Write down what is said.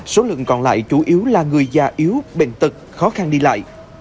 số lượng còn lại chủ yếu là người già yếu bệnh tật khó khăn đi lại